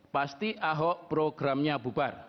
pasti ahok programnya bubar